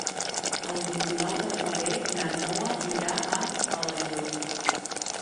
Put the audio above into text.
El vint-i-nou de febrer na Noa irà a Alaior.